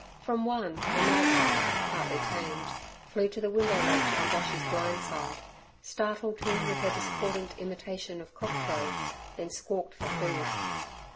From one a magpie, partly tamed, flew to the window ledge on Boshy's blind side, startling him with her discordant imitation of cock crow, then squawked for food.